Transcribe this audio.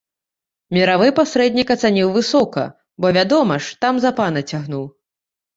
Міравы пасрэднік ацаніў высока, бо вядома ж, там, за пана цягнуў.